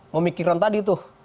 memikiran tadi tuh